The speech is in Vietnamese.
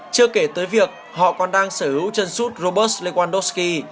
chưa kể tới việc họ còn đang sở hữu chân sút robert lewandowski